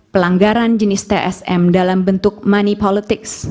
pelanggaran jenis tsm dalam bentuk money politics